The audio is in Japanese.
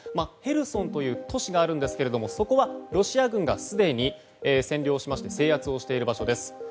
ヘルソンという都市があるんですがそこはロシア軍がすでに占領しまして制圧している場所です。